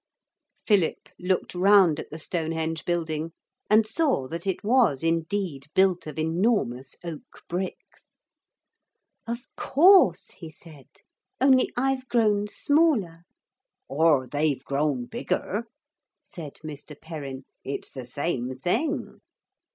Philip looked round at the Stonehenge building and saw that it was indeed built of enormous oak bricks. 'Of course,' he said, 'only I've grown smaller.' 'Or they've grown bigger,' said Mr. Perrin; 'it's the same thing.